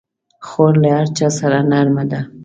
خور له هر چا سره نرمه ده.